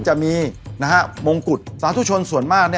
จะมีมงกุฎสาธุชนส่วนมาก